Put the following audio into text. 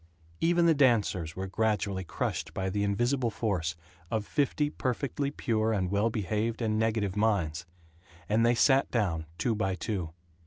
Even the dancers were gradually crushed by the invisible force of fifty perfectly pure and well behaved and negative minds; and they sat down, two by two.